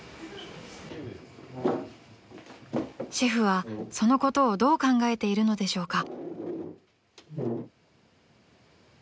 ［シェフはそのことをどう考えているのでしょうか？］